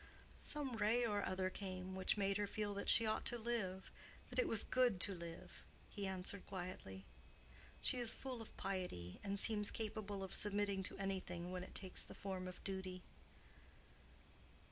"Some ray or other came—which made her feel that she ought to live—that it was good to live," he answered, quietly. "She is full of piety, and seems capable of submitting to anything when it takes the form of duty."